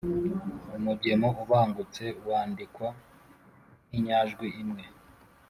umugemo ubangutse wandikwa n’inyajwi imwe.